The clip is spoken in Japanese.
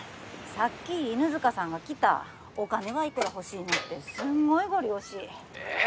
さっき犬塚さんが来た「お金はいくら欲しいの」ってすんごいゴリ押し☎えっ？